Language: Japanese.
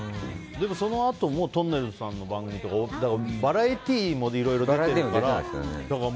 でも、そのあともとんねるずさんの番組とかバラエティーもいろいろ出てたから。